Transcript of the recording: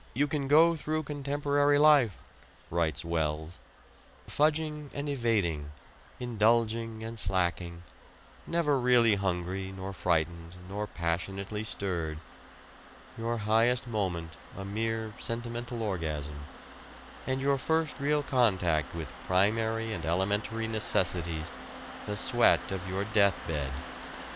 "You can go through contemporary life," writes Wells, "fudging and evading, indulging and slacking, never really hungry nor frightened nor passionately stirred, your highest moment a mere sentimental orgasm, and your first real contact with primary and elementary necessities the sweat of your death bed."